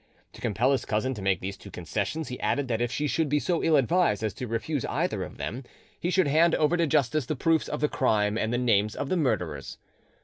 To compel his cousin to make these two concessions, he added that if she should be so ill advised as to refuse either of them, he should hand over to justice the proofs of the crime and the names of the murderers.